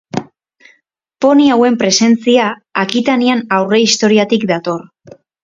Poni hauen presentzia Akitanian aurrehistoriatik dator.